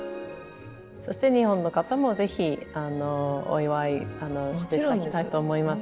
そして日本の方もぜひお祝いして頂きたいと思います。